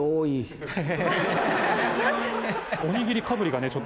おにぎりかぶりがね